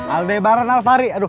aldebaran alfari aduh